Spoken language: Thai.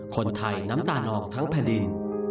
คนไทยน้ำตานองทั้งแผ่นดิน